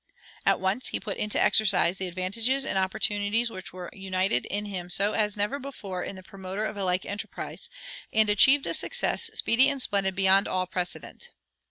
At once he put into exercise the advantages and opportunities which were united in him so as never before in the promoter of a like enterprise, and achieved a success speedy and splendid beyond all precedent.